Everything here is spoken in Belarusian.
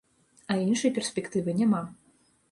А іншай перспектывы няма.